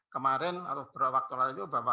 kemarin atau beberapa waktu lalu itu bahwa